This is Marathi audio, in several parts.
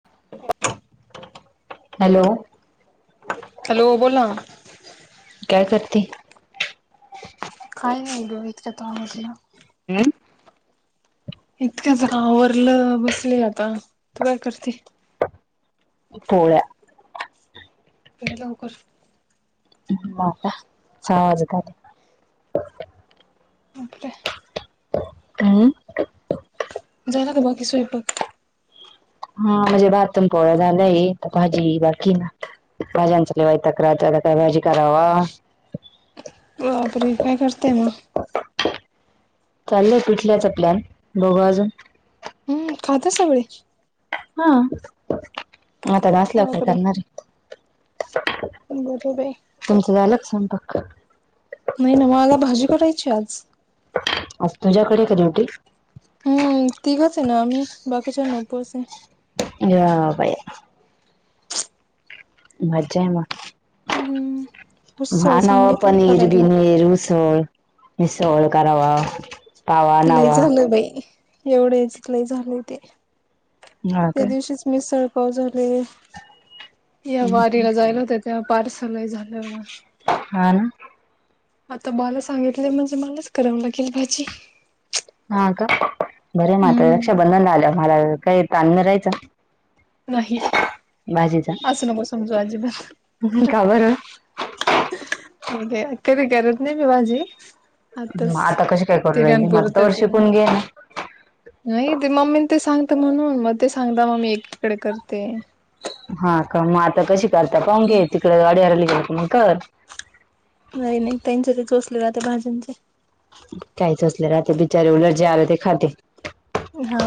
[inaudible] हॅलो हॅलो बोला काय करते. काय नाही गवित का तो आवडला हं इतकंच आवरलं बसली आता तू काय करते. पोळ्या तुमही लवकर. माता सहज काात. अर आणि जाला का बाकी स्वयंपक. हा म्हणजे भातम पोळ झालंय भाजी बाकी ना. भाज्यां चलवाय तक्रला काय भाजी करावा. बापरे काय करते ना. चाललं पिठल्याचा प्लॅन बघो अजून खाता सगळे. हा आता नचल्या काय बापरे करणारे. बर बाई. तुमचं झालंच संपक नाही नवाळला भाजी करायची आज आ तुझ्याकडे डीवटी हम्म ठीकाच नामही बाकीच्या नब्य असे. या बया मज्जा आहे म. हम्म उसळ भानव सांगितली पनीर करायला बिनीर उसळ मिसळ करावा. पाव लय आणावा. झालं बाई एवढेच लय झालं ते हा त्या काय? दिवशीच मी सळकाव झाले या वारीला जायला होत. ते पार्सल नाही झालंवर हा ना आता बाला सांगितलं म्हणजे मलाच करावं लागेल भाजी हा का बरे मात्र हम्म. रक्षाबंधन झालं मला काही ताण मिळाहायचं नाही असं नको समजू अजिबात का बरं ठीक आहे कध करत नाही भी भाजी आताच मग आता कशी काय करू राहिली तिघाण मग आता तवर पुरतच आहे ना शिकून घे नाही ते मम्मी ते सांगते म्हणून मग ते सांगता मग ममी एकटीकडे करते हा का मग आता कशी करता का घे तिकडे गाडीवरली गे मग कर नाही नाही त्यांचे ते चोसले जाते भाज्यांचे काहीच असले राते बिचारे उलट जे आलं ते खाते हा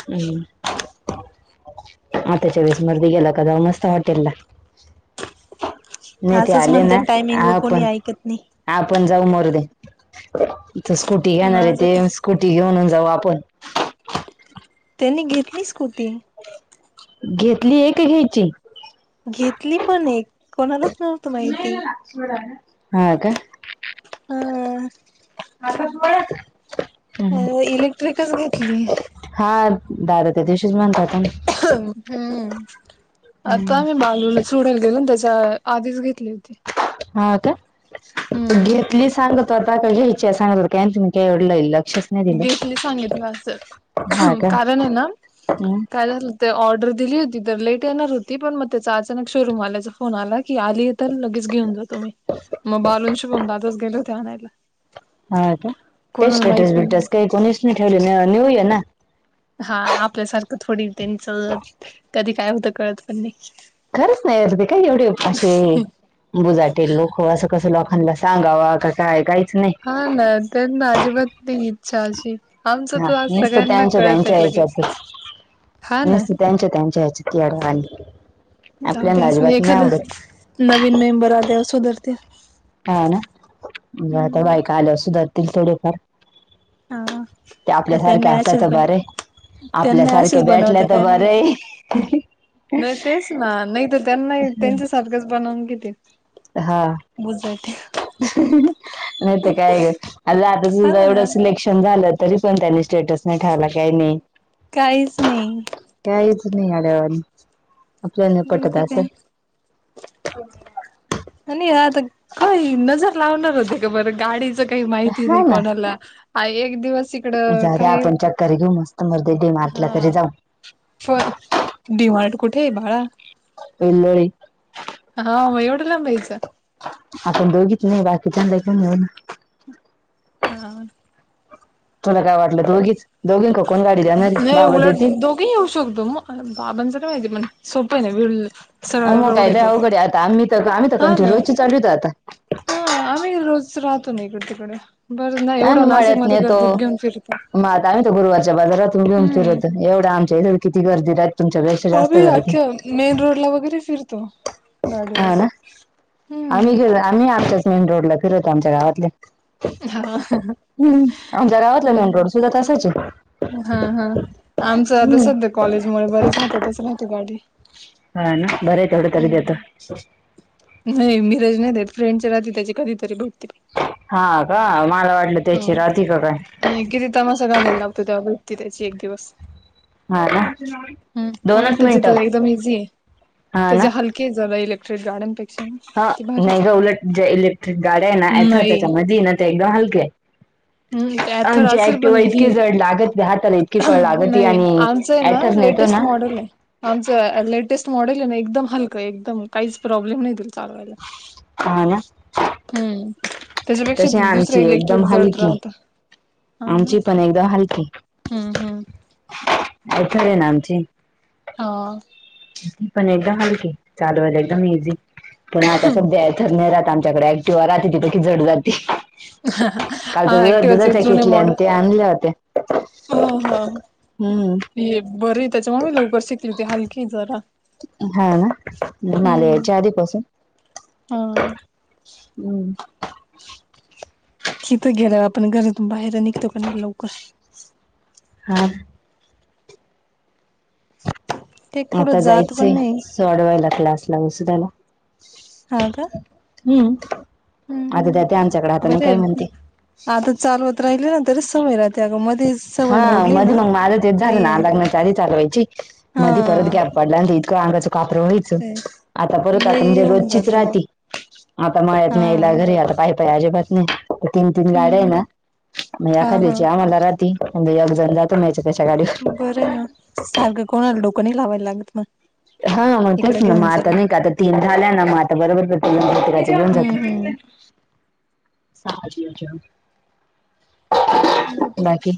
[inaudible] हम् आताच्या वेळेस मर्ध गेला का जाऊ मस्त हॉटेल ला नाही ते असंच आले म्हणते ना, टायमिंग व कोणी आपण ऐकत नाही आपण जाऊ मारुदे, त स्कूटी घेणार आहे माझं ते तर स्कूटी घेऊनन जाऊ आपण. तेनी घेतली स्कूटी. घेतली ये, का घ्यायची? घेतली पण एक, कोणालाच नव्हत माहिती. हा का? हम आता त अ इलेक्ट्रिकच घेतली हा दार ते दिवशीच म्हणतात तु्ही हम्म आताम्ही बालूला सडल गेले ना त्याच्या आधीच घेतली होती हा का हम्म घेतली सांग तवतता कळ इचछ सांगत काय तुम काय डल लक्ष घेतली सांगितलं हा असं का कारण आहे ना हम्म. काय झालं ते ऑर्डर दिली होती तर लेट येणार होती पण मग त्याचा अचानक शोरूम आल्याच फोन आला की आली तर लगेच घेऊन जातो मी मग बालून शुभम दातच गेलो होते आणायला हा का काही कोणाला स्टेटस माहित पण बिटस नव्हतं काही कोणी ठेवले न्यू इयर ना हा आपल्यासारखं थोडी त्यांच कधी काय होतं कळत पण नाही खरंच नाही अरदी का युट्यूब अशी बुजाटे लोक असं कसं लोकांना सांगावा कसाय काहीच नाही [inaudible] हा ना ते अजिबात नाही चालते. आमचं हा त आज सगळ्यांना कळत आहे लगेच. हा ना निसते त्यांच्या-त्यांच्या ह्याच्यात येड्यवाणी जाऊ दे आपल्याला असं अजिबात नाही एखादं आवडत. नवीन मेंबर आल्यावर सुधरतील. हा ना? म आता बायका आल्यावर सुधारतील थोडे फार. हा का त्याना असल्या आसीच तर बन बरे त्यांना आपल्यासारखे असंच भेटल्या बनवता. तर काय बरे माहिती? नाही तेच ना, नाही तर त्यांना त्यांच्यासारखेच बनवून घितीे. हा. नाही ते काय हा ग एवढं ना सिलेक्शन झालं तरी पण त्यानी स्टेटस नाही ठेवला काही नाही. काहीच नाही. काहीच नाही येड्यावानी, आपल्याला नाही पटत माहिती काय असं. आणि आता काही नजर लावणार होते का बरं? गाडीच काही माहिती हा नाही कोणा ला हा एक दिवस इकडं जाऊदे काही आपण चक्कर घेऊ मस्त मदे डी मार्ट तरी जाऊ. होय, डी मार्ट कुठे आहे बाळा? बिलोळी. हाव म येवढ्या लांब जायचं? आपण दोघीच नाही बाकीच्यानला घेऊन हां. तुला काय वाटलं दोघीच? दोघींन का कोण गाडी देणार ये नाही बाबा उलट देतील? दोघे येऊ शकतो मग काय बाबांच माहिती पण सोपं नाही [unintelligible] मग काय अवघड आता आम्ही तर आम्ही हा कंट्यू ना रोजची चालिवत आता. हा, आम्ही रोज राहतो ना इकड- तिकड. बरं नाही एवढं नाशिक मध्ये गर्दीत घेऊन फिरतो. म आता तर गुरुवारच्या बाजारात घेऊन हम्म फिरत, एवढं आमच्या इथ किती गर्दी राह आम्ही आख्या मेन रोड ला वगैरे फिरतो. हा गाडीवरच ना? आम्ही हम्म गेलो आम्ही आमच्याच मेन रोडला फिरवतो आमच्या गावातल्या. हा हम्म. आमच्या गावातला मेन रोड सुद्धा तसायच आहे. हा हा. आमचं आता सध्या कॉलेज मुळे बरेच हातातच राहते गाडी. हा ना बर थोड तरी देत हम्म नाही मिरज नाही देत फ्रेंडच्या रात त्याची कधीतरी भेटते हा का मला वाटलं हा. त्याची राहते का काय नाही किती तमासा घालायला लागतो त्या वृत्ती त्याची एक दिवस हा ना ह होणार दोनच मिनिटं त्या एकदम इझी आहे हा ना त्याच्या हल इलेक्ट्रिक गाड्यान प हा, नाही ग उलट जे इलेक्ट्रिक गाड्या आहे ना याथा नाही त्याच्या मुळे ना ते एकदम हलके हाय. हम्म ते ऍथर आमची असेल पण ऍक्टिवा ही इतकी जड लागती हाताला इतकी कळ लागती नाही आणि आमचं आहे ना याथच नेतो लेटेस्ट ना? मॉडेल आहे. आमचं लेटेस्ट मॉडेल आहे ना, एकदम हलकं आहे एकदम काहीच प्रॉब्लेम नाही तील चालवायला हा ना हम्म त्याच्यापेक्षा तशी द आमची इलेक्ट्रिक एकदम जळत हलकी राहत. हा ना. आमची पण एकदम हलकी हम्म, हम्म. आयथर ये ना आमची. हो. पण एकदम हलकी. चालवायला एकदम इझी पण आता सध्या ती तर नाही रहात आमच्याकडे ऍटिव राहते तिथेकी जड जाती. हा एक्टीवाच च जुन किटल्या माॅडेल ते आणल्या होत्या हम्म हे बर त्याच्या माग लवकर शिकली होती हलकी जरा हा ना माला यायची आधीपासून हम हम्म कि तो गेलं आपण घरातून बाहेर निघतो काणी लवकर हा ते कुठं आता जात पण जायचंय नाही सोडवायला क्लासला दुसर्यांला हा का हम्म आधी हम्म देत्या आमच्याकडे आता नाही काय बरं म्हणते आता चालवत राहिले ना तरीच सवय राहते अग मध्येच हा मध्ये मग माझं ते येत झालं ना लग्नाच्या आधी चालवायची मधी परत हा घ्याप पडल्यांन इतक अंगाच कापर होईल आता परत आता लई म्हणजे होऊन रोजचीच जात मग राहते आता मळ्यात हा नाहीयला घरी आता पा अजिबात नाही तीन तीन गाड्या आहे हम्म ना म हा हा एखाद्याची आम्हाला एक जण जात याच्यात्याच्या गाडीवर बरं आहे ना, सारखं कोणाला डोकं नाही लावायला लागत मग हा मग इकडे तेच ना मग घेऊन आता चला नाही का आता तीन झाल्या ना मग आता बरोबर घेऊन हम्म जात हम्म. [unintelligible] बा बाकी.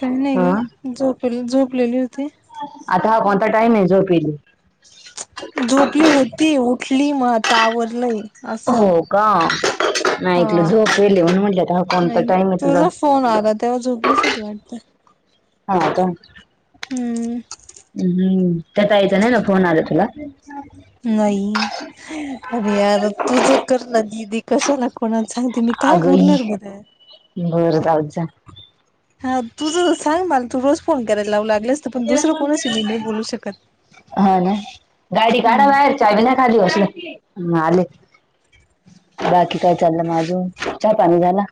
काही नाही हा ग, झोप झोपलेली होते. आता हा कोणता टाईम आहे झोपली. झोपली होती उठली मग आता आवरलंय. असं हो का नाही ऐकलं हा. झोपलेली म्हणून म्हटलं हा कोणता टाईम आहे तुझा. फोन आला तेव्हा झोपलीच होती वाटत. हा का. हम्म. हम्म, त्या ताईचा नाही ना फोन आला तुला? नाही. अरे यार तुझ कर ना दिदी कशा ना कोणाला सांगते मी काय बोलणार बर. बर जाऊ जा. हा तुझ सांग मला तू रोज फोन करायला लावू लागलेस. तर पण दुसरं कोणाशी मी नाही बोलू शकत. हा ना गाडी हम्म काढाबाहेर. चाबी नाही काढली वाटते हम आले बाकी काय चाललं मग अजून चहा पाणी झाला.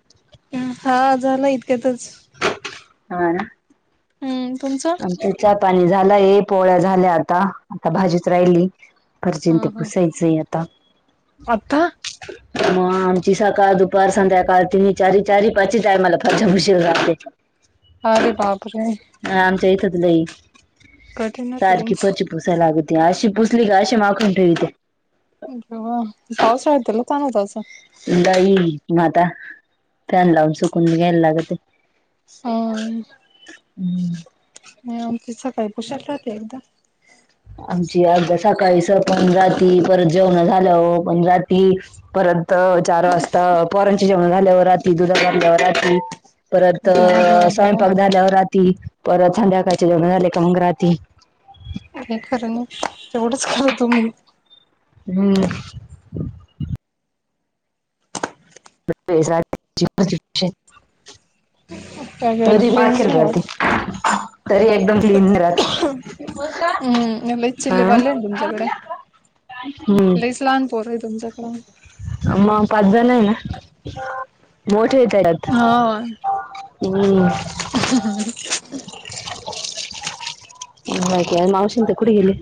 हा झाला इतक्यातच. हा. हम्म तुमचं तिचा पाणी झाला ये पोळ्या झाल्या आता आता भाजीच राहिली. परशी ते हा हा. पुसायचंय आता. आता [inaudible] मग आमची सकाळ दुपार संध्याकाळ तिनी चारी चारी पाची टाईमाला आहे मला फरशा पुशीत राहते. अरे बाप रे! ह आमच्या इथतलंही कठीणच आहे सारखी तुमचं फरशी पुसा पुसालागते आशी पुसली का आशी माखुन ठेवीते. व पावसाळ्यात तर लय ताण होत असेल? बाई म आता फॅन लावुण सुकुण घ्या लागते. हम्म. नाही आमची सकाळी पुशाल राहते एकदा. आमची आज सकाळी सकाळीच पण राती परत जेवण झालं हो पण राती. परत चार वाजता पोरांचे जेवण झाल्यावर राती दुधात बांधल्यावर राती परत देवा देवा देवा स्वयंपाक झाल्यावर राती परत संध्याकाळचे जेवण झाले का मग राती. का खरं ना तेवढंच ख तुमी. हम्म. [inaudible] तरी रेंज माखेर नाही राती. वाटत तरी एकदम क्लीन राह हम्म लईच हा चिल्लेबाले आहे तुमच्याकडे [unintelligible] लईच लहान पोर आहे तुमच्याकड अम पाच जन आहे ना. मोठे येत त्यात हा हम. बाकी आणि मावशी ते कुठे गेले.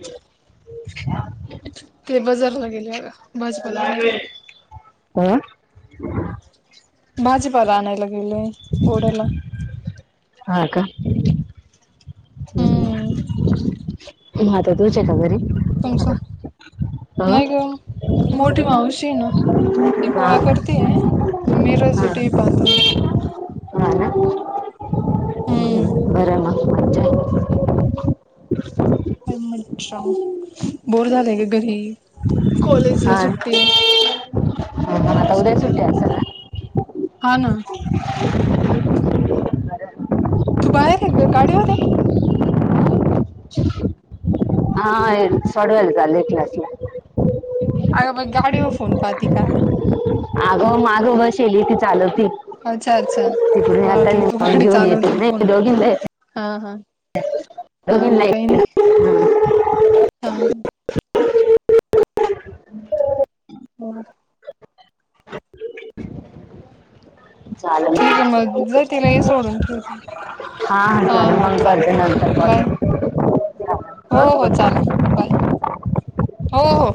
ते बजारला गेले अग. भाजीपाला आणायला [unintelligible] भाजीपाला आणायला गेलेय ओढ्याला. हा का हम्. हम्म मझ तूच शेतात जरी. तुमच नाही ग मोठी माऊशी हेना ती हा पोळा्या हा करते मिरजट पाहतून. हा ना. हम्म. बर म [unintelligible] पण मजा, बोर झालय ग घरी. कॉलेज ला हा सुट्टी आहे, मग आता आज उद्या. सुट्टी असेल ना हा ना. [inaudible] तु बाहेर ये का गाडीवर ये. हा सोडवायला चालले क्लास ला. अग म गाडीवर फोन पाहाती का. आगं माग बसेलीनी झाल नाही. अच्छा अच्छा मला वाटलं तू गाडी चालवते फोनवर बोल [unintelligible] हा हा, हा म दोघींना काही नाही, हा. ओ हा. झाल म ठीक आहे मग जा तिला ये सोडून ठेवते हा हा चालेल. बाय [unintelligible] [unintelligible] नाय, हो हो.